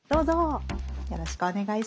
よろしくお願いします。